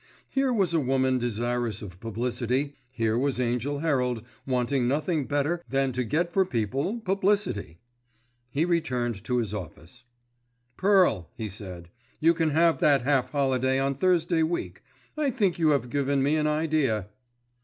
Here was a woman desirous of publicity, here was Angell Herald wanting nothing better than to get for people publicity. He returned to his office. "Pearl," he said, "you can have that half holiday on Thursday week. I think you have given me an idea."